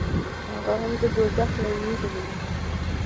هغه هم د دوزخ له وېرې و.